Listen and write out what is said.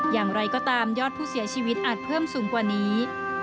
อย่างไรก็ตามยอดผู้เสียชีวิตอาจเพิ่มสูงกว่านี้